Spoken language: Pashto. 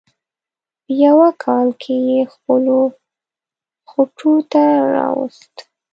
په یوه کال کې یې خپلو خوټو ته راوست.